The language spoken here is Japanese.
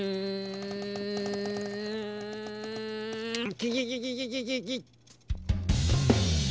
キキキキキキッ！